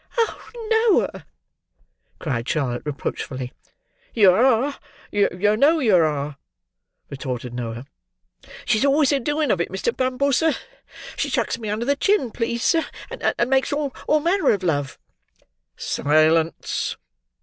"Oh, Noah," cried Charlotte, reproachfully. "Yer are; yer know yer are!" retorted Noah. "She's always a doin' of it, Mr. Bumble, sir; she chucks me under the chin, please, sir; and makes all manner of love!" "Silence!"